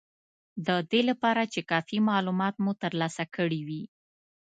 د دې لپاره چې کافي مالومات مو ترلاسه کړي وي